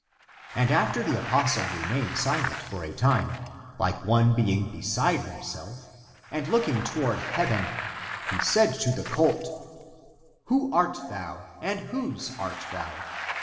And after the apostle remained silent for a time, like one being beside himself, and looking toward heaven, he said to the colt, " Who art thou, and whose art thou?